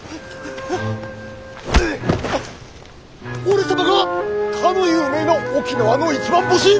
俺様がかの有名な沖縄の一番星。